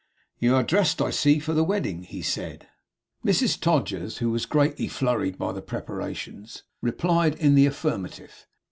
'You are dressed, I see, for the wedding,' he said. Mrs Todgers, who was greatly flurried by the preparations, replied in the affirmative.